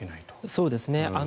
そうですね。